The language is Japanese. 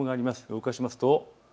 動かしますと。